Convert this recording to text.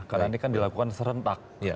karena ini kan dilakukan serentak